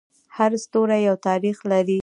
هر ستوری یو تاریخ لري.